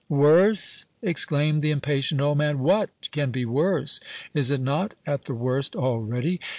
"Worse?" exclaimed the impatient old man, "What can be worse? Is it not at the worst already?